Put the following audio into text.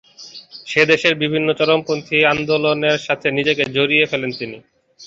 সেদেশের বিভিন্ন চরমপন্থী আন্দোলনের সাথে নিজেকে জড়িয়ে ফেলেন তিনি।